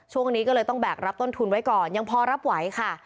ช่วงนี้ก็เลยต้องแบกรับต้นทุนไว้ก่อนยังพอรับไหวค่ะ